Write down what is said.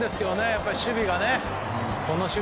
やっぱり守備がね。